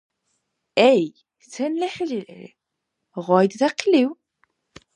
Эй! Сен лехӀлири? Гъай детахъилив?